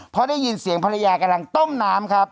เพราะได้ยินเสียงภรรยากำลังต้มน้ำครับ